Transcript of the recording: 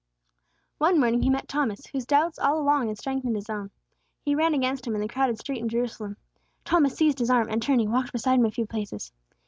One morning he met Thomas, whose doubts all along had strengthened his own. He ran against him in the crowded street in Jerusalem. Thomas seized his arm, and, turning, walked beside him a few paces.